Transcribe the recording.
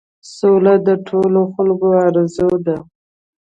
سوله د ټولو خلکو آرزو ده.